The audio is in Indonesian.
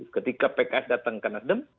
ketika pks datang ke nasdem